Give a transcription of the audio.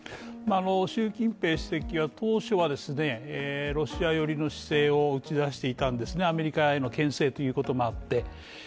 習近平主席は当初は、ロシア寄りの姿勢を打ち出していたんですね、アメリカへのけん制ということもあって。